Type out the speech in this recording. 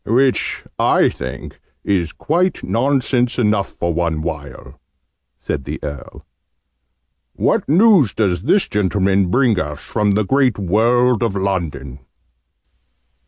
"Which, I think, is quite nonsense enough for one while!" said the Earl. "What news does this gentleman bring us from the great world of London?"